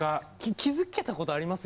気づけたことあります？